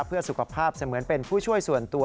เพื่อสุขภาพเสมือนเป็นผู้ช่วยส่วนตัว